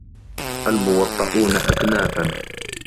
الْمُوَطَّئُونَ أَكْنَافًا